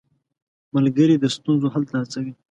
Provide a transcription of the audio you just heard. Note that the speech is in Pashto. ملګری د ستونزو حل ته هڅوي.